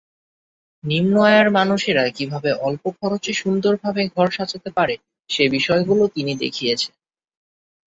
নিম্ন আয়ের মানুষেরা কিভাবে অল্প খরচে সুন্দরভাবে ঘর সাজাতে পারে সে বিষয়গুলো তিনি দেখিয়েছেন।